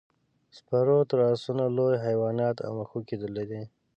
سپارو تر اسونو لوی حیوانات او مښوکې درلودې.